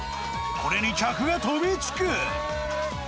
これに客が飛びつく。